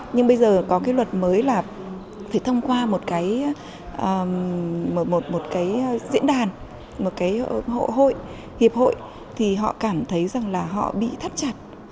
nhưng bây giờ có cái luật mới là phải thông qua một cái diễn đàn một cái hội hiệp hội thì họ cảm thấy rằng là họ bị thắt chặt